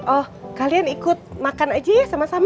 oh kalian ikut makan aja ya sama sama